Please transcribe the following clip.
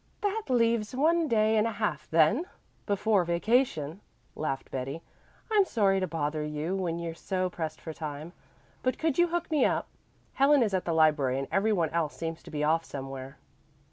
"That leaves one day and a half, then, before vacation," laughed Betty. "I'm sorry to bother you when you're so pressed for time, but could you hook me up? Helen is at the library, and every one else seems to be off somewhere."